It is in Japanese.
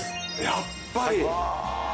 やっぱり！